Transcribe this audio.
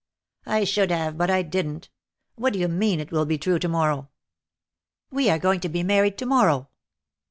"I should have, but I didn't. What do you mean, it will be true to morrow?" "We are going to be married to morrow."